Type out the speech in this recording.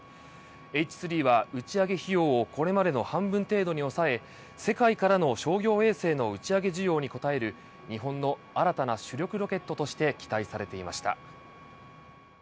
Ｈ３は打ち上げ費用をこれまでの半分程度に抑え世界からの商業衛星の打ち上げ需要に応える日本の新たな主力ロケットとして期待されていました。